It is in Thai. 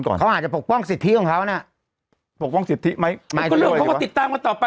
ก่อนเขาอาจจะปกป้องสิทธิของเขาน่ะปกป้องสิทธิไหมก็ติดตามกันต่อไป